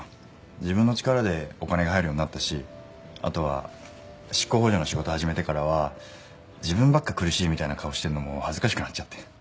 自分の力でお金が入るようになったしあとは執行補助の仕事始めてからは自分ばっか苦しいみたいな顔してるのも恥ずかしくなっちゃって。